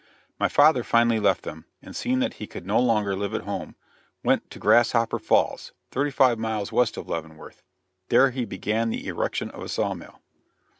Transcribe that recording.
My father finally left them, and seeing that he could no longer live at home, went to Grasshopper Falls, thirty five miles west of Leavenworth; there he began the erection of a saw mill.